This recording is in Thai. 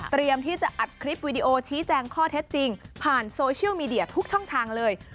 ที่จะอัดคลิปวิดีโอชี้แจงข้อเท็จจริงผ่านโซเชียลมีเดียทุกช่องทางเลย